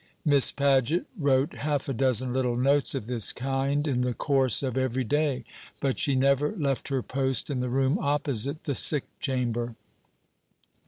Miss Paget wrote half a dozen little notes of this kind in the course of every day, but she never left her post in the room opposite the sick chamber.